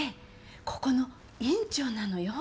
ここの院長なのよ。